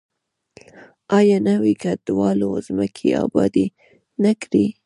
آیا نویو کډوالو ځمکې ابادې نه کړې؟